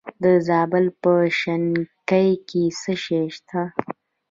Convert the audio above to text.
د زابل په شنکۍ کې څه شی شته؟